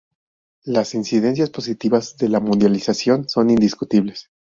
Las incidencias positivas de la mundialización son indiscutibles.